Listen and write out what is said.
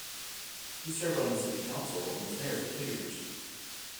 He served on the city council and was mayor for two years.